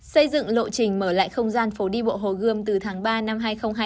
xây dựng lộ trình mở lại không gian phố đi bộ hồ gươm từ tháng ba năm hai nghìn hai mươi